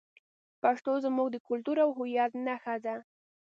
پښتو زموږ د کلتور او هویت نښه ده.